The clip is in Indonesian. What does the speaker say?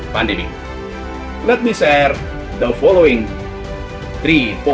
biar saya berbagi tiga poin tersebut